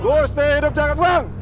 gusti hidup jaya katuang